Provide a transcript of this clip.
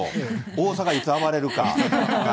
大阪、いつ暴れるか。